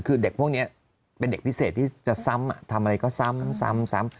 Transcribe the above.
คือเด็กพวกนี้เป็นเด็กพิเศษที่จะซ้ำทำอะไรก็ซ้ำ